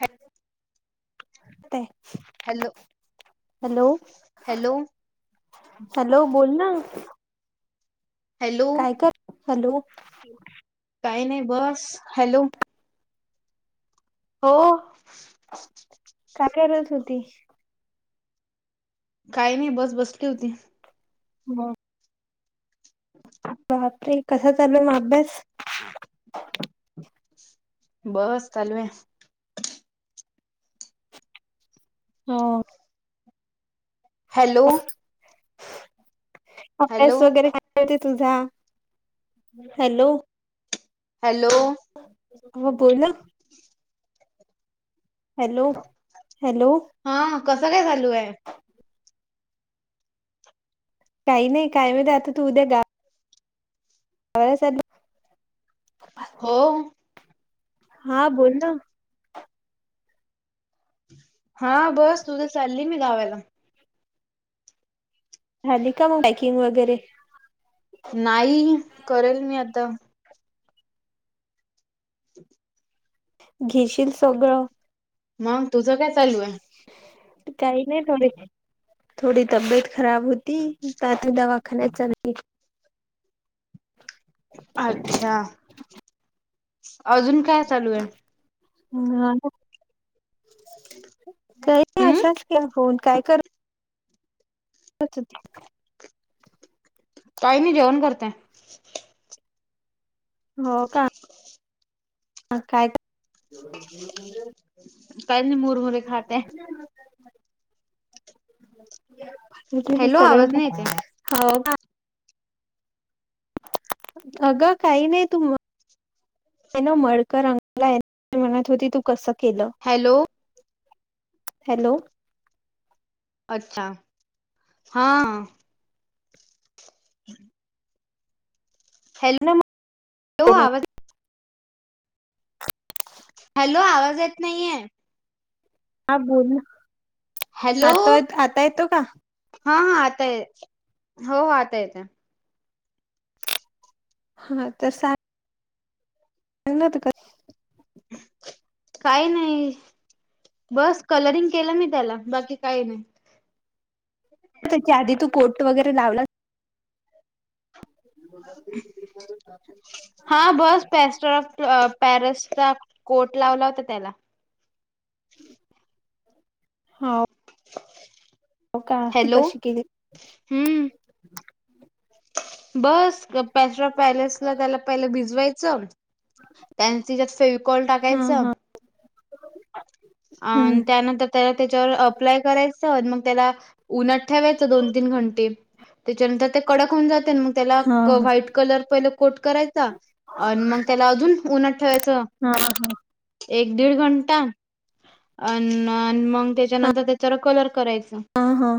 ह्या... येय... hello... hello hello बोल ना हॅलो.. काय कर हॅलो... काही नाही बस... हॅलो ओ. काकी आल्यावर जेवते. काही नाही बस बसली होती. हह. बापरे कसा चालला म अभ्यास बस चालवेनचं. हो. हॅलो. हॅलो अभ्यास वगैरे मागच्या दिसाचा च.. हॅलो. हॅलो हो बोला. हॅलो. हॅलो हाअ कसं काय चालू आहे. काही नाही कायम जातो तू उद्या जा. कायस तु. हो हा बोल ना? हा बस तु उद्या चालली मी गावायला. झाली का मग मॅचिन वगैरे नाहीग करेन मी आता ' '.. [unintelligible] घेशील सोगळ. मग तुझं काय चालू आहे. काही नाही थोर ती. थोडी तब्येत खराब होती त दवाखान्यात चालली. अच्छा अजून काय चालू आहे. ह काही हम्म असाच केला फोन काय कर. [unintelligible] काही मी जेवण करते. हो का काय? पहिले मुरमुरे खातात. तीच काही हॅलो सरळ आवाज नाही येते होना. अगं काही नाही तुम मळकर अंकला म्हणत होती तू कस हॅलो हॅलो अच्छा हा ह हो ना मग हॅलो हो केलं. आवाज हॅलो आवाज येत नाहीये हा बोल हॅलो आता आता येतो का? हा हा आता आहे हो हो आता येत. हा तर स सांग ना तर कस? काही नाही. बस कलरिंग केलं मी त्याला बाकी काही नाही. त्याच्या आधी तू पोर्ट वगैरे लावला. [unintelligible] हा बस पॅस्टर ऑफ पॅरसचा कोट लावला होता त्याला हो. हो का ती हॅलो कशी केली. हम्म बस पॅस्रा पॅलेसला त्याला पहिलं भिजवायचं. त्यांच तिच्यात फेविकॉल हा टाकायचा हा अ हम्म त्यानंतर त्याला त्याच्यावर अप्लाय करायच मग त्याला उन्हात ठेवायचं दोन तीन घंटे त्याच्यानंतर कडक होऊन जाते अन् मग त्याला हा व्हाईट कलर पहिले कोड करायचा अन् मग त्याला अजुन ठवायचं ह हा एक दीड घंटा अ मग त्याच्यानंतर त्याच्यावर कलर करायचं हा हा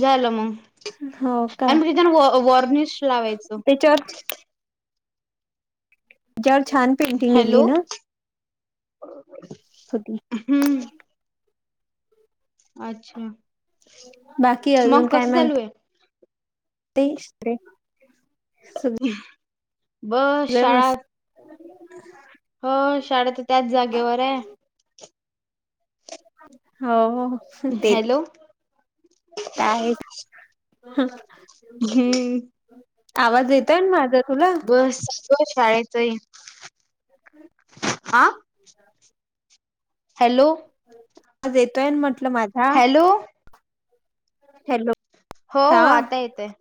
झालं मग हो का आणि मग तिथन व वॉर्निश लावायच त्याच्यावर जवळ छान पेंटिंग येईल हॅलो ना होती हम्म अच्छा बाकी मग कसं चालू आहे तेशत बस शाळा ह हो शाळा तर त्याच जागेवर आहे हो हो हॅलो का आहेच हम्म आवाज येतय माझा तुला आवाज बस शाळेचही [unintelligible] आ आवाज येतोय ना म्हंटलं माझा हॅलो हॅलो हो हा हो आता येतय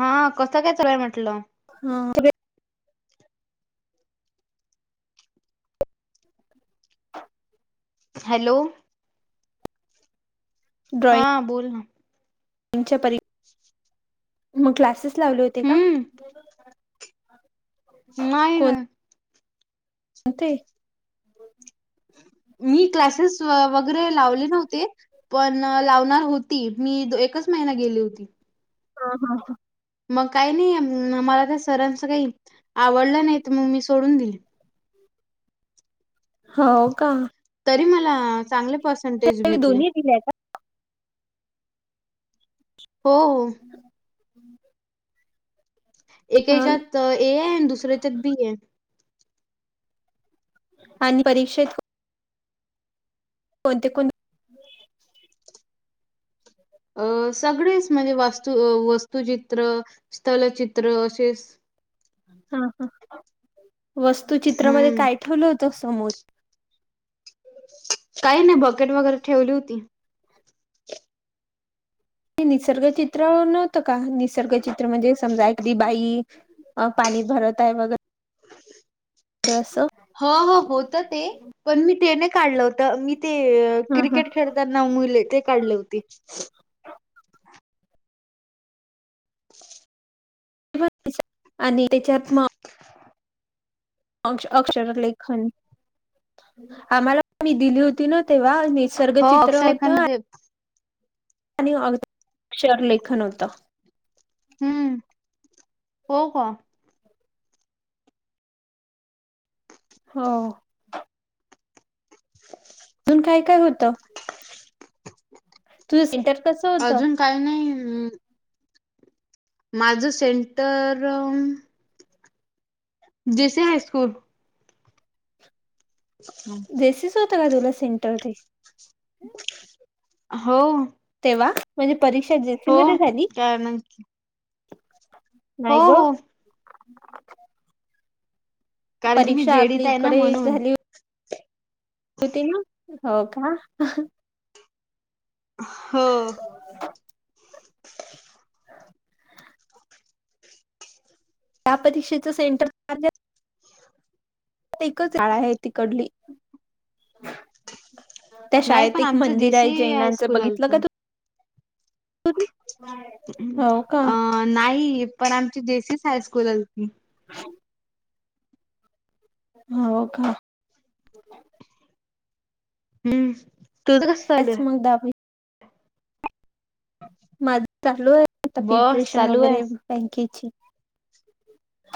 हा कस काय चालुय म्हटलं हाम [inaudible] हॅलो हा बोल ना पंचपरी [inaudible] मग क्लासेस लावले होते का? हम्म नाय नं. ते मी क्लासेस वगैरे लावले नव्हते. पण लावणार होती. मी एकच महिना गेली होती. हा हा हा. मग काही नाही मला त्या सरांच काही आवडलं नाही तर मग मी सोडून दिले हो का तरी मला चांगले पर्सेंटेज भेटले दोन्ही दिल्या का? हो हम्म एकेकात ए आहे दुसऱ्याच्यात बी आहे आणि परीक्षेत कोणते कोण अ सगळेच म्हणजे वास्तू वस्त वस्तुचित्र स्थलचित्र असेच हा ह वस्तुचित्रामध्ये हम्म काय ठेवलं होत समोर काही नाही बकेट वगैरे ठेवली होती. ते निसर्गचित्र नव्हतं का निसर्गचित्र, म्हणजे समजा एकदी बाई अ पाणी भरत आहे वगैरे [inaudible] असं हो हो होत ते, पण मी ते नाय काढलं होत. तर मी ते हा हा क्रिकेट खेळताना मुले ते काढले होती. [inaudible] [unintelligible] आणि त्याच्यात मग [inaudible] अक्ष अक्षर लई घाण. आम्हाला मी दिली होती न तेव्हा निसर्ग हो चित्र अक्षय होत खान मध्ये आणि अक्षरलेखन होतं. हम्म हो का? हो. [inaudible] अजून काय काय होत? तूझ इंटर अजून काय नइ माझं सेंटर जेसी हायस्कूल जेसीस होत का तुला सेंटर ते? हो. वा. म्हणजे परीक्षा जेसी हो मध्ये झाली. काय म्हण हो नाही ग हो. कारण की मी परीक्षा जेडीत आपली आहे ना इकडे म्हणून झाली होती ना, हो का. हो. या परीक्षेचा सेंटर चार्ज एकच शाळा आहे तिकडली. त्या नाही शाळेत पण एक आमचं मंदिर आहे, जेसी जैनांचं हायस्कूल बघितलं आलत का तू? हो का अ नाही पण आमची जेसीस हायस्कूल अलती. हो का. हम्म तुझं कसं त्याच चालूय. मग माझ चालू आहे आता बस प्रिप्रेशन चालू आहे वगैरे बँकेची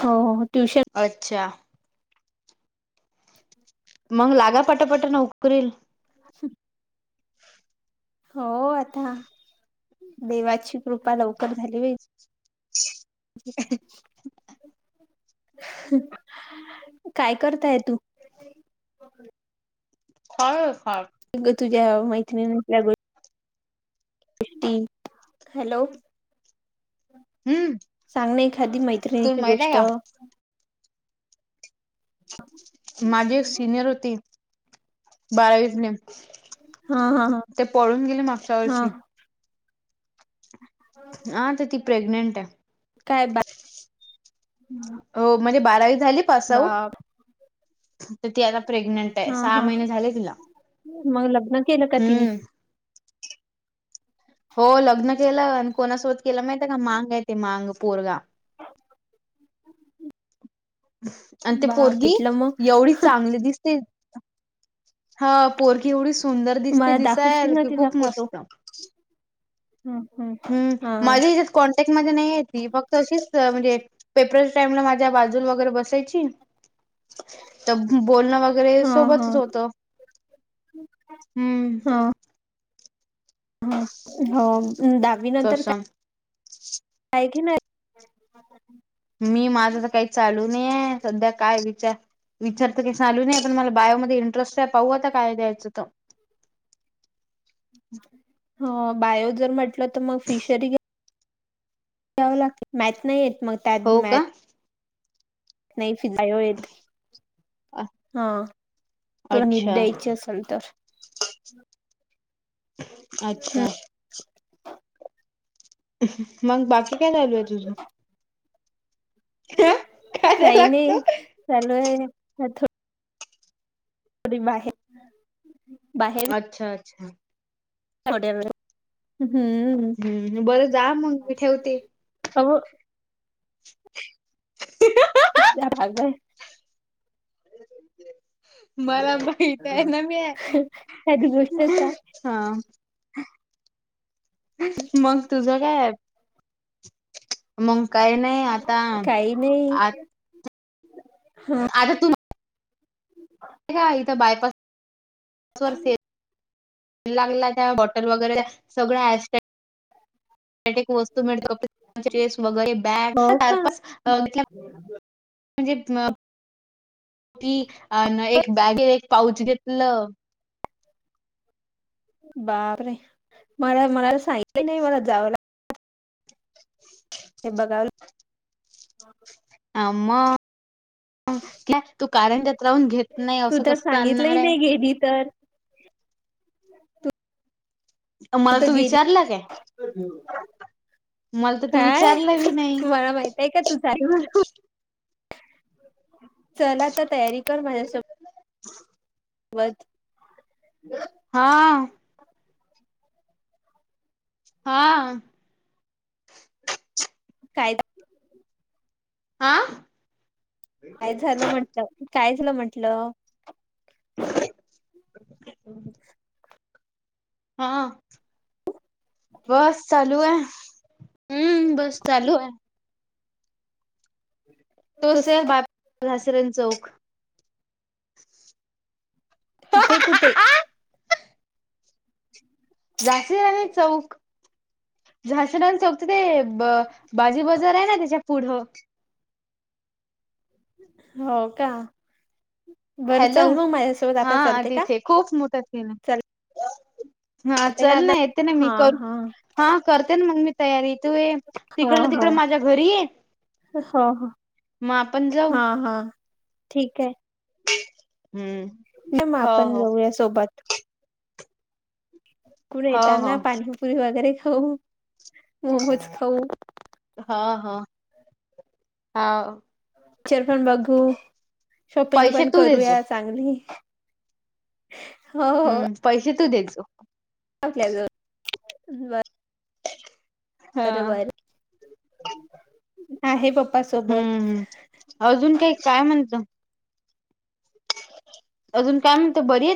हो ट्युशन अच्छा मग लागा पटापट नोकरीला. श हो आता देवाची कृपा लवकर झाली हो ह काय करताय तू? काय [unintelligible] तुझ्या मैत्रिणीच्या [unintelligible] हॅलो. सांग ण एखादी तुला मैत्रिणीची माहित आहे गोष्ट. का माझी एक सिनियर होती, बारावीतली. हा हा ते पळून गेले मागच्या हा वर्षी. हा तर ती प्रेग्नेंटाय. काय बाय हो म्हणजे बारावी झाली पासआउट. बाप तर ती आता प्रेग्नंट आहे. हा सहा हा महिने झाले तिला. मग लग्न केलं का तिने. हम्म हो लग्न केलं आणि कोणासोबत केला माहीत का मांग आहे ते मांग पोरगा. आणि ते बाप पोरगी इटलं मग एवढी चांगली दिसते. हा पोरखी एवढी सुंदर मला दिसते दाखवशील दिसायल ना की तिचा खूप फोटो मस्त हम्म हम् हम्म हा माझी हच्यात कॉन्टॅक्ट मध्ये नाही ती फक्त अशीच म्हणजे पेपर टाईमला माझ्या बाजूला वगैरे बसायची तर बोलणं वगैरे हा हा सोबतच होत हम्म ह हो दहावी नंतर काय कसम काय की नाही मी माझं तर काही चालू नाही आहे सध्या काय विचार विचार तर काही चालू नाही पण मला बायामध्ये इंटरेस्ट आहे पाहू आता काय द्यायचं तर. ह बायो जर म्हटलं तर मग फिशरी या्यावं लागते मॅथ नाही येत मग त्यात हो का मॅथ नाही बायो येते हा तुला नीट अच्छा द्यायची असेल तर. हम् अच्छा मग बाकी काय चालू ये तुझं खायला काही नाही लागत चालू आहे. त बा आहे अच्छा अच्छा होड [inaudible] हम्म बरं जा मग मी ठेवते. अ [inaudible] ह [inaudible] अल्या भाग आहे [inaudible] मला माहित आहे ना मी साधी गोष्ट सांग हा मग तुझ काय आहे? मग काही नाही आता आ ह [inaudible] आता तुम् का इथं बायपास व सेल लागला त्या वॉटर वगैरे सगळंट [inaudible] वस्तू मिळतो ्रेस वगैरे बॅग हो का [inaudible] म्हणजे ती अ एक बॅग एक पाऊच घेतलं. बापरे मला मलाला सांगलं नाही मला जाव ला हे बगाल आम त्या तू [unintelligible] राहून घेत नाही तू असं तर कसं चालणार सांगितलंही आहे. नाही गेली तर मला तत तू गेरी विचारला काय मला तर तू काय विचारलं बी नाही मला माहित आहे का तु जाईल म्हणून चला तर तयारी कर माझ्यासोबत ह वत हा हा कायदा आ काय झालं म्हंटलं काय झालं म्हंटलं ह [unintelligible] [inaudible] हा, बस चालू आहे. हम्म, बस चालू आहे. तो स बाप हासरन चौक तिथे कुठे? झाशीद चौक झाशीद आणि चौकच ते ब बाजी बाजार आहे ना त्याच्या पुढ ह हो का? बरं हॅलो चाल मग माझ्यासोबत आता हा चालते का? तिथे खूप मोठं केलं. हा चालते का चल आता ना येते ना मी हा करू हा हा करते ना मग मी तयारी तू हो तिकडलं हो तिकड माझ्या घरी ये हो, मग आपण जाऊ हा. हा. ठीक आहे. हम्म, नाही मग हो. आपण हो. जाऊया सोबत कुटे हो हो येताना पाणीपुरी वगैरे खाऊ, मोमोज खाऊ हा. हा. हा. पिक्चर पण बघू, शॉपिंग पैसे पण तू देजो करूया चांगली. हो हो. हम्म पैसे तू द्यायचं. आपल्याजव ब हा. आहे पप्पा सोबत हम्म, हम् अजून काही काय म्हणत अजून काय म्हणत बरी आहे?